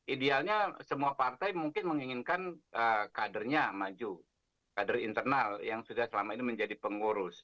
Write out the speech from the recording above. idealnya semua partai mungkin menginginkan kadernya maju kader internal yang sudah selama ini menjadi pengurus